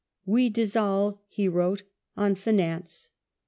" We dissolve," he wrote, '* on finance.